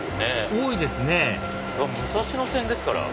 多いですね武蔵野線ですから。